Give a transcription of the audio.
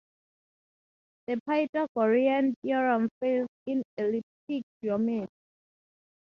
The Pythagorean theorem fails in elliptic geometry.